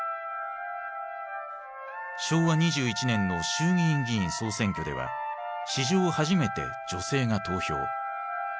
昭和２１年の衆議院議員総選挙では史上初めて女性が投票。